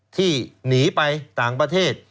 ที่หนีไปต่างประเทศ